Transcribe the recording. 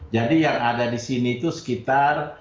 jadi yang ada di sini itu sekitar satu tujuh ratus an